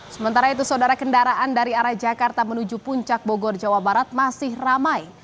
sementara itu saudara kendaraan dari arah jakarta menuju puncak bogor jawa barat masih ramai